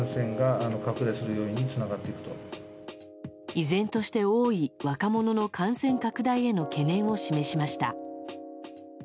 依然として多い若者の感染拡大への懸念を示しました。